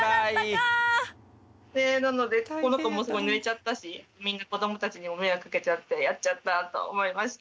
なのでこの子もすごいぬれちゃったし子どもたちにも迷惑かけちゃって「やっちゃった！」と思いました。